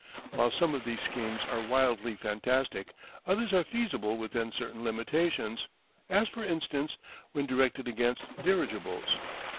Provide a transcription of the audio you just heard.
While some of these schemes are wildly fantastic, others are feasible within certain limitations, as for instance when directed against dirigibles.